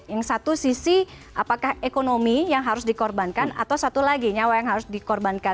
yang satu sisi apakah ekonomi yang harus dikorbankan atau satu lagi nyawa yang harus dikorbankan